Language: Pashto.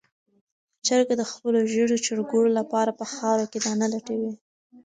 چرګه د خپلو ژېړو چرګوړو لپاره په خاوره کې دانه لټوي.